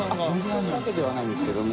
そういうわけではないんですけども。